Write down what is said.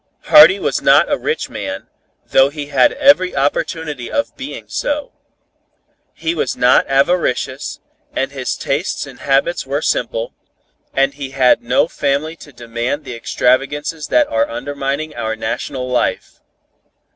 Hardy was not a rich man, though he had every opportunity of being so. He was not avaricious, and his tastes and habits were simple, and he had no family to demand the extravagances that are undermining our national life.